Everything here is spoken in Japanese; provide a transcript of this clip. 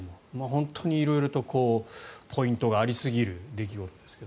本当に色々とポイントがありすぎる出来事ですが。